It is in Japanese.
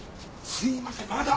すいませんまだ。